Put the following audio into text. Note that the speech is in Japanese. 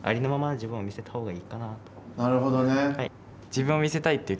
なるほどね。